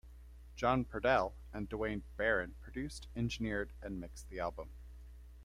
John Purdell and Duane Baron produced, engineered and mixed the album.